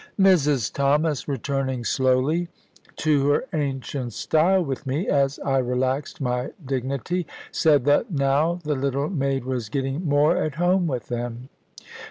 Mrs Thomas returning slowly to her ancient style with me, as I relaxed my dignity, said that now the little maid was getting more at home with them.